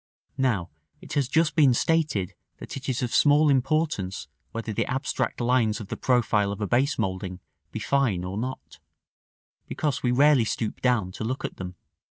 Now it has just been stated that it is of small importance whether the abstract lines of the profile of a base moulding be fine or not, because we rarely stoop down to look at them.